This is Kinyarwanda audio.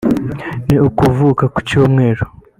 ni ukuvuga ku Cyumweru